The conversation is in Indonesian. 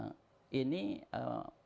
kementerian pendidikan dan kebudayaan